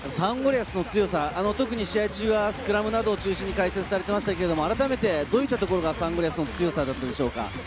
リアスの強さ、試合中はスクラムなどを中心に解説されていましたが、あらためてどういったところがサンゴリアスの強さでしたか？